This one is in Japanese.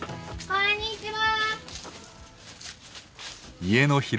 こんにちは！